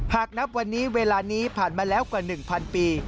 หากนับวันนี้เวลานี้ผ่านมาแล้วกว่า๑๐๐ปี